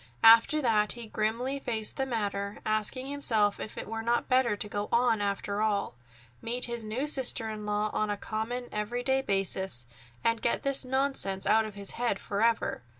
After that he grimly faced the matter, asking himself if it were not better to go on after all, meet his new sister in law on a common, every day basis, and get this nonsense out of his head forever.